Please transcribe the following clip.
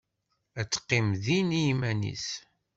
Ad teqqim din iman-is.